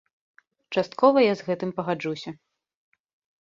Часткова я з гэтым пагаджуся.